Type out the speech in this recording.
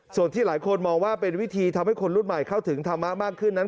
ส่วนที่หลายคนมองว่าเป็นวิธีทำให้คนรุ่นใหม่เข้าถึงธรรมะมากขึ้นนั้น